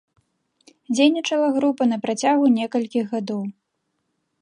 Дзейнічала група на працягу некалькіх гадоў.